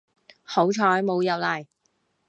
好彩冇入嚟